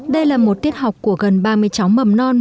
đây là một tiết học của gần ba mươi cháu mầm non